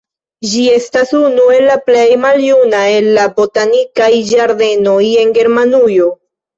Ĝi estas unu el la plej maljuna el la botanikaj ĝardenoj en Germanujo.